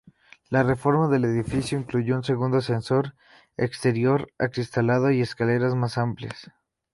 La reforma del edificio incluyó un segundo ascensor exterior acristalado y escaleras más amplias.